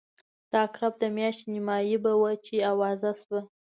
د عقرب د میاشتې نیمایي به وه چې آوازه شوه.